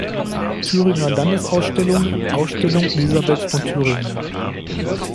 Thüringer Landesausstellung (Ausstellung Elisabeth von Thüringen).